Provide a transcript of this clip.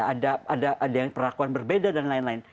jadi ada perlakuan berbeda dan lain lain